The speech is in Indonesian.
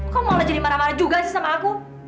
kok malah jadi marah marah juga sih sama aku